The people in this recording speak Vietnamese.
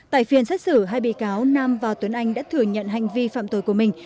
tại phiên xét xử hai bị cáo nam và tuấn anh đã thừa nhận hành vi phạm tội của mình